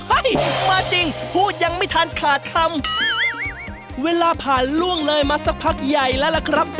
มาจริงพูดยังไม่ทันขาดคำเวลาผ่านล่วงเลยมาสักพักใหญ่แล้วล่ะครับ